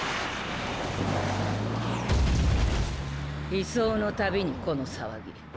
移送の度にこの騒ぎ。